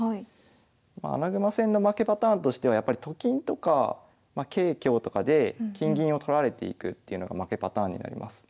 まあ穴熊戦の負けパターンとしてはやっぱりと金とか桂香とかで金銀を取られていくっていうのが負けパターンになります。